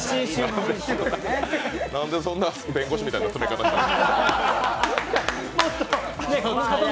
なんでそんな弁護士みたいな詰め方したん？